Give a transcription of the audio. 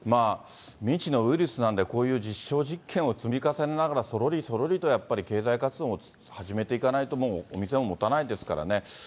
未知のウイルスなんで、こういう実証実験を積み重ねながら、そろりそろりとやっぱり経済活動も始めていかないともうお店ももたないですからね。